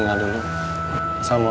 jangan film apa apa ya